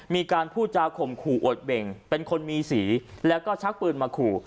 มีการพูดจาข่มขู่อดเบ่งเป็นคนมีสีแล้วก็ชักปืนมาขู่